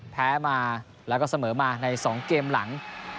แพ้มาแล้วก็เสมอมาใน๒เกมหลัง